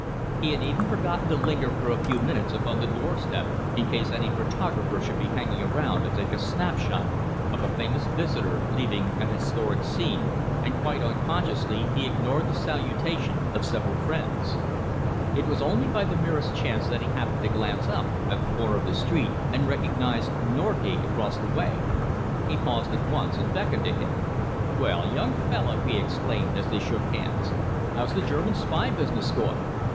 He had even forgotten to linger for a few minutes upon the doorstep in case any photographer should be hanging around to take a snapshot of a famous visitor leaving an historic scene, and quite unconsciously he ignored the salutation of several friends. It was only by the merest chance that he happened to glance up at the corner of the street and recognised Norgate across the way. He paused at once and beckoned to him. "Well, young fellow," he exclaimed, as they shook hands, "how's the German spy business going?"